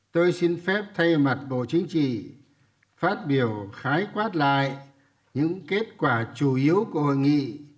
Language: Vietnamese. tôi xin phép thay mặt bộ chính trị phát biểu khái quát lại những kết quả chủ yếu của hội nghị